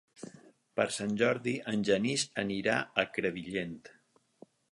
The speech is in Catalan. Per Sant Jordi en Genís anirà a Crevillent.